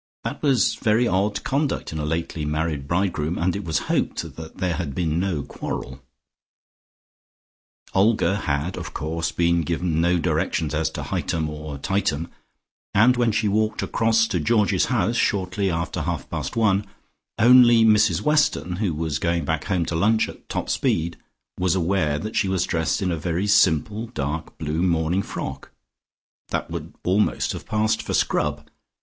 That was very odd conduct in a lately married bridegroom, and it was hoped that there had been no quarrel. Olga had, of course, been given no directions as to Hightum or Tightum, and when she walked across to Georgie's house shortly after half past one only Mrs Weston who was going back home to lunch at top speed was aware that she was dressed in a very simple dark blue morning frock, that would almost have passed for Scrub.